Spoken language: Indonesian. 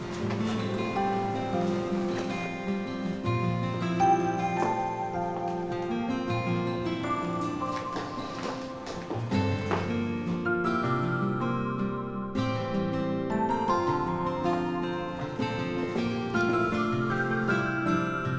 enggak peduli bernad